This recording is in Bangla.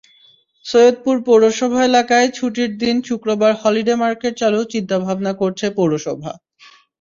সৈয়দপুর পৌরসভা এলাকায় ছুটির দিন শুক্রবার হলিডে মার্কেট চালুর চিন্তাভাবনা করছে পৌরসভা।